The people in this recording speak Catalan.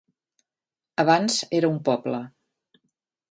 Abans era un poble.